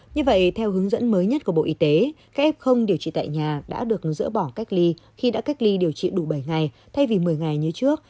như vậy theo hướng dẫn mới nhất của bộ y tế các f không điều trị tại nhà đã được dỡ bỏ cách ly khi đã cách ly điều trị đủ bảy ngày thay vì một mươi ngày như trước